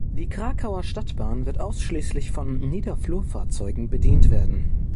Die Krakauer Stadtbahn wird ausschließlich von Niederflurfahrzeugen bedient werden.